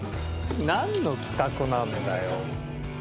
なんの企画なんだよ。